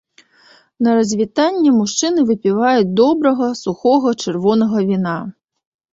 На развітанне мужчыны выпіваюць добрага сухога чырвонага віна.